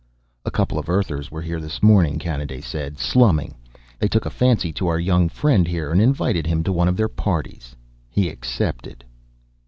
"A couple of Earthers were here this morning," Kanaday said. "Slumming. They took a fancy to our young friend here and invited him to one of their parties. He accepted."